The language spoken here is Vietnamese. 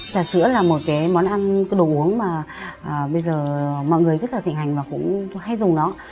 trà sữa là một cái món ăn cái đồ uống mà bây giờ mọi người rất là thịnh hành và cũng hay dùng nó